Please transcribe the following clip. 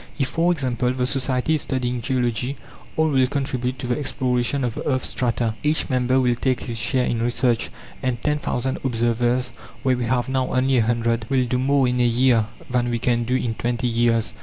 If, for example, the Society is studying geology, all will contribute to the exploration of the earth's strata; each member will take his share in research, and ten thousand observers, where we have now only a hundred, will do more in a year than we can do in twenty years.